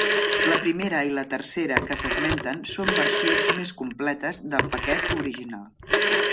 La primera i la tercera que s'esmenten són versions més completes del paquet original.